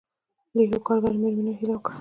له یوې کارګرې مېرمنې مې هیله وکړه.